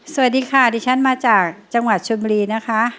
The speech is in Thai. สวัสดีค่ะดิฉันมาจากจังหวัดชนบุรีนะคะ